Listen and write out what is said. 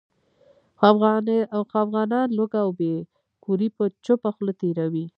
خو افغانان لوږه او بې کوري په چوپه خوله تېروي.